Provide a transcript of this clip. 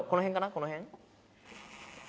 この辺。